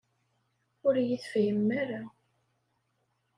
Ur iyi-tefhimem ara.